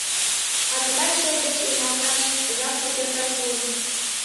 А тыгай чер деч эмлалташ жап шукертак шуын.